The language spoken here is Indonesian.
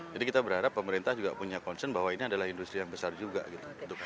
jadi kita berharap pemerintah juga punya concern bahwa ini adalah industri yang besar juga gitu